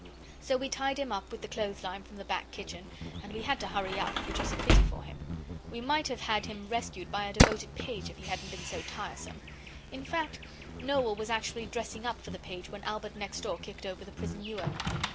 So we tied him up with the clothes line from the back kitchen, and we had to hurry up, which was a pity for him. We might have had him rescued by a devoted page if he hadn't been so tiresome. In fact Noel was actually dressing up for the page when Albert next door kicked over the prison ewer.